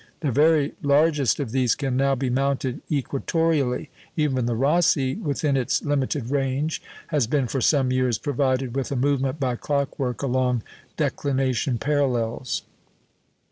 The very largest of these can now be mounted equatoreally; even the Rosse, within its limited range, has been for some years provided with a movement by clockwork along declination parallels.